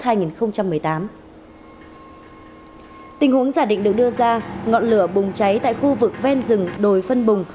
tình huống giả định được đưa ra ngọn lửa bùng cháy tại khu vực ven rừng đồi phân bùng